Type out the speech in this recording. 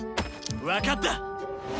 分かった！